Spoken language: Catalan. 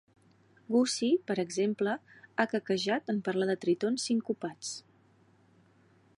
Gussie, per exemple, ha quequejat en parlar de tritons sincopats.